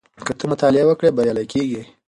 که ته مطالعه وکړې بریالی کېږې.